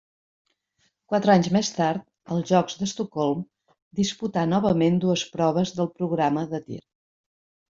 Quatre anys més tard, als Jocs d'Estocolm disputà novament dues proves del programa de tir.